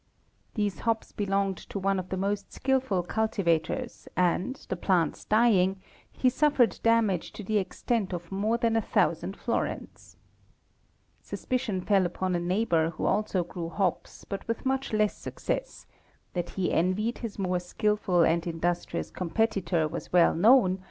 'T'hese hops belonged to one of the most skilful cultivators and, the plants dying, he suffered damage to the extent of more than a thousand florins. Suspicion fell upon a neighbour who also grew hops but with much less success; that he envied his more skilful and industrious competitor was well known, for he had made noattempt to hide his feelings.